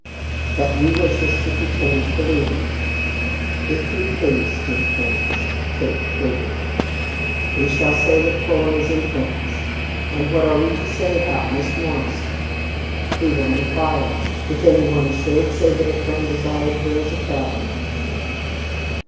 "But you wish us to pretend to believe it?" "If you please, dear friends," Kate pleaded. "We shall say that Fulham is in France! And what are we to say about Miss Morrison?" "Who will inquire? If any one should, say that a friend desired her as a traveling companion."